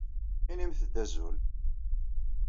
Inimt-d azul.